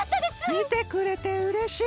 みてくれてうれしい！